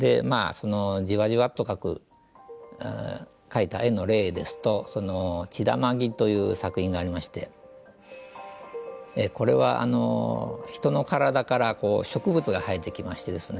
そのじわじわっと描く描いた絵の例ですと「血玉樹」という作品がありましてこれは人の体から植物が生えてきましてですね